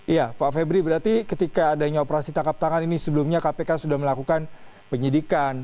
iya pak febri berarti ketika adanya operasi tangkap tangan ini sebelumnya kpk sudah melakukan penyidikan